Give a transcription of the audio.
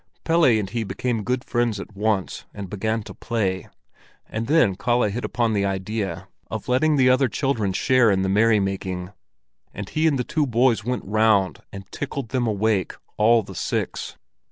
Pelle and he became good friends at once, and began to play; and then Kalle hit upon the idea of letting the other children share in the merry making, and he and the two boys went round and tickled them awake, all the six.